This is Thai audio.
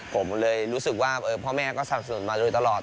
ผมเลยรู้สึกว่าพ่อแม่ก็สนับสนุนมาโดยตลอด